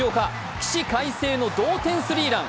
起死回生の同点スリーラン。